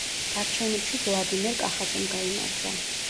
არჩევნებში ვლადიმერ კახაძემ გაიმარჯვა.